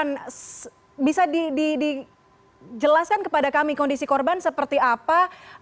dan bisa dijelaskan kepada kami kondisi korban seperti apa